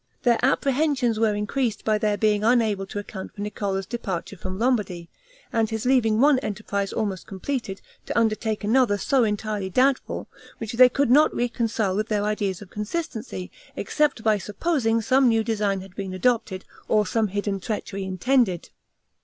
Their apprehensions were increased by their being unable to account for Niccolo's departure from Lombardy, and his leaving one enterprise almost completed, to undertake another so entirely doubtful; which they could not reconcile with their ideas of consistency, except by supposing some new design had been adopted, or some hidden treachery intended.